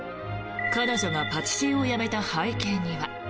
彼女がパティシエを辞めた背景には。